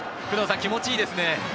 気持ちがいいですね。